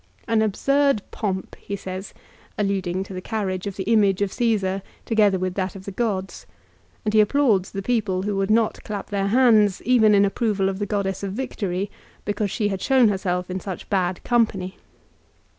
" An absurd pomp," he says, alluding to the carriage of the image of Csesar together with that of the gods ; and he applauds the people who would not clap their hands, even in approval of the Goddess of Victory, because she had shown herself in such bad company.